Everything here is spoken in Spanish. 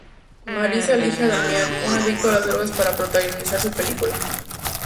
Marisa elige a Damián, un adicto a las drogas para protagonizar su película.